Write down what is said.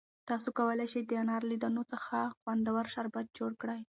تاسو کولای شئ چې د انار له دانو څخه خوندور شربت جوړ کړئ.